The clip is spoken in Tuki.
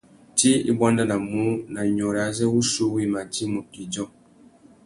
Tsi i buandanamú na nyôrê azê wuchiuwú i mà djï mutu idjô.